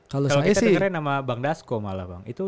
kalau kita dengarnya nama bang dasko malah bang